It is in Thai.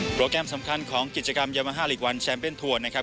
แกรมสำคัญของกิจกรรมเยามาฮาลีกวันแชมป์เป็นทัวร์นะครับ